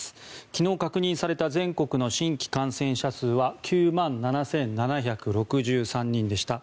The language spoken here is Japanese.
昨日確認された全国の新規感染者数は９万７７６３人でした。